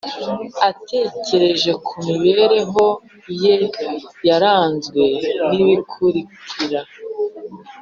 atekereje ku mibereho ye yaranzwe n ibikurikira